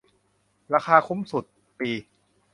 ราคาคุ้มสุด ปี